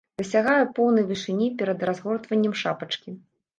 Дасягае поўнай вышыні перад разгортваннем шапачкі.